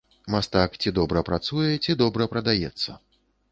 Мастак ці добра працуе, ці добра прадаецца.